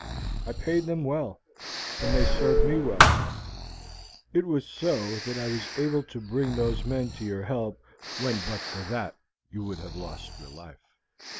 I paid them well, and they served me well; it was so that I was able to bring those men to your help when but for that you would have lost your life.